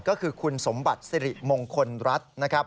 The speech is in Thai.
ก็คือคุณสมบัติศิริมงคลรัฐ